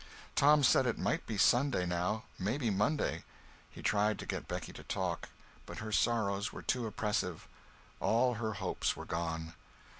Tom said it might be Sunday, now—maybe Monday. He tried to get Becky to talk, but her sorrows were too oppressive, all her hopes were gone.